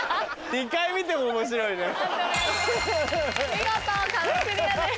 見事壁クリアです。